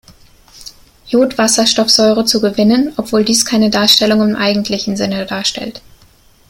Iodwasserstoffsäure zu gewinnen, obwohl dies keine Darstellung im eigentlichen Sinne darstellt.